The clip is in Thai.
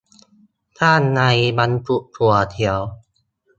ข้างในบรรจุถั่วเขียว